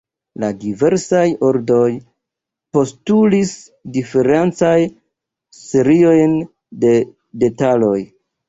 La diversaj ordoj postulis diferencajn seriojn de detaloj.